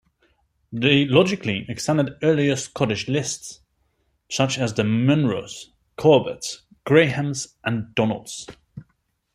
They logically extend earlier Scottish lists such as the Munros, Corbetts, Grahams and Donalds.